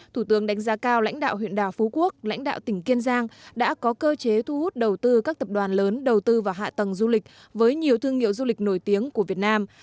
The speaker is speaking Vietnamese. thủ tướng đánh giá cao lãnh đạo huyện đảo phú quốc lãnh đạo tỉnh kiên giang đã có cơ chế thu hút đầu tư các tập đoàn lớn đầu tư vào hạ tầng du lịch với nhiều thương hiệu du lịch nổi tiếng của việt nam